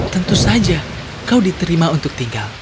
tentu saja kau diterima untuk tinggal